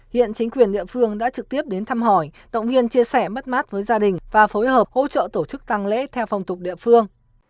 hiện chính quyền địa phương đã trực tiếp đến thăm hỏi động viên chia sẻ mất mát với gia đình và phối hợp hỗ trợ tổ chức tăng lễ theo phong tục địa phương